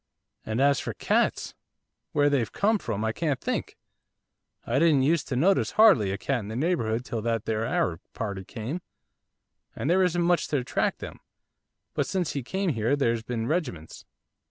And as for cats! where they've come from I can't think. I didn't use to notice hardly a cat in the neighbourhood till that there Arab party came, there isn't much to attract them; but since he came there's been regiments.